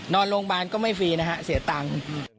นอนโรงพยาบาลก็ไม่ฟรีนะฮะเสียตังค์